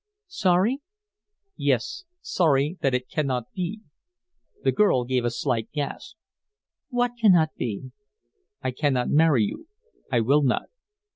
"Sorry?" "Yes, sorry that it cannot be." The girl gave a slight gasp. "What cannot be?" "I cannot marry you. I will not."